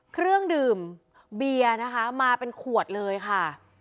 เครื่องดื่มเบียร์นะคะมาเป็นขวดเลยค่ะ